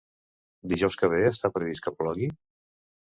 Dijous que ve està previst que plogui?